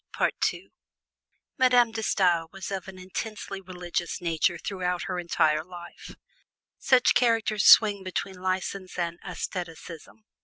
Madame De Stael was of an intensely religious nature throughout her entire life; such characters swing between license and asceticism.